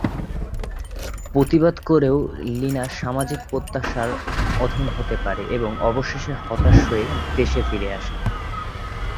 প্রতিবাদ করেও লিনা সামাজিক প্রত্যাশার অধীন হতে থাকে এবং অবশেষে হতাশ হয়ে দেশে ফিরে আসে।